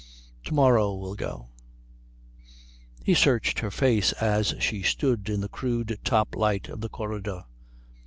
To morrow we'll go " He searched her face as she stood in the crude top light of the corridor.